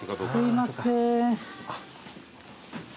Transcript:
すいません。